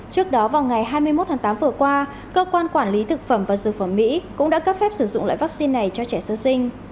trước đó vào ngày hai mươi một tháng tám vừa qua cơ quan quản lý thực phẩm và dược phẩm mỹ cũng đã cấp phép sử dụng loại vaccine này cho trẻ sơ sinh